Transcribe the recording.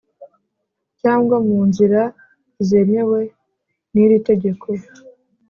Cyangwa mu nzira zemewe n iri tegeko